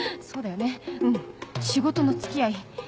そうだよねうん仕事の付き合い